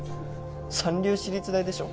三流私立大でしょ